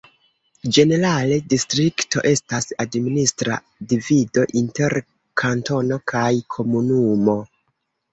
Ĝenerale distrikto estas administra divido inter kantono kaj komunumo.